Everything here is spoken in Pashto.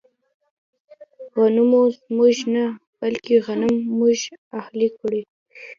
غنمو موږ نه، بلکې غنم موږ اهلي کړل.